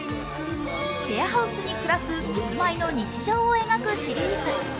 シェアハウスに暮らすキスマイの日常を描くシリーズ。